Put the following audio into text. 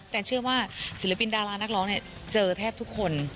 แนนเชื่อว่าศิลปินดารานักร้องเนี่ยเจอแทบทุกคน